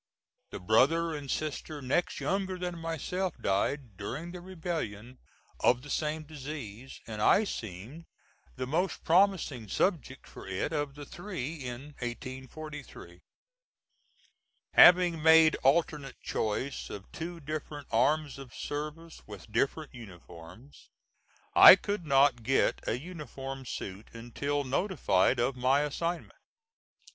The brother and sister next younger than myself died, during the rebellion, of the same disease, and I seemed the most promising subject for it of the three in 1843. Having made alternate choice of two different arms of service with different uniforms, I could not get a uniform suit until notified of my assignment.